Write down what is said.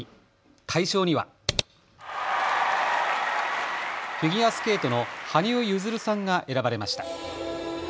大賞には、フィギュアスケートの羽生結弦さんが選ばれました。